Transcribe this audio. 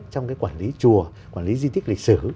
với những cái quản lý chùa quản lý di tích lịch sử